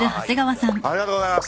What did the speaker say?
ありがとうございます。